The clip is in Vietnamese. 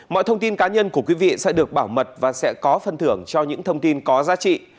mọi thông tin cá nhân của quý vị sẽ được bảo mật và sẽ có phân thưởng cho những thông tin có giá trị